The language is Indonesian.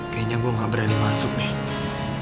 kayaknya gue gak berani masuk nih